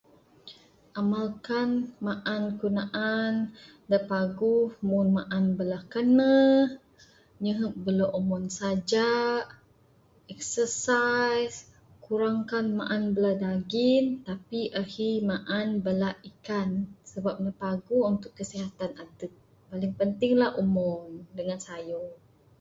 Amalkan maan kayuh naan da paguh mung maan bala kaneh, nyehep bala omon saja, exercise, kurangkan maan bala daging, tapi ahi maan bala ikan. Sebab ne paguh untuk kesihatan adep. Paling penting lah omon dengan sayor.